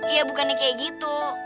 iya bukan nih kayak gitu